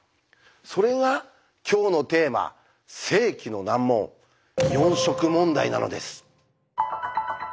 それが今日のテーマ世紀の難問「四色問題」なのです！